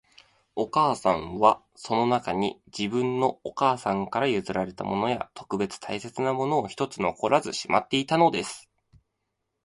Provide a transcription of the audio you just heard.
お母さんは、その中に、自分のお母さんから譲られたものや、特別大切なものを一つ残らずしまっていたのです